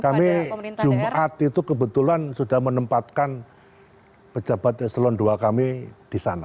kami jumat itu kebetulan sudah menempatkan pejabat eselon ii kami di sana